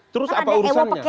terus apa urusannya